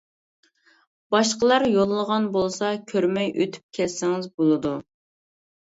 باشقىلار يوللىغان بولسا كۆرمەي ئۆتۈپ كەتسىڭىز بولىدۇ.